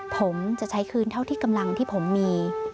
ผมจะใช้คืนเท่าที่กำลังที่ผมมี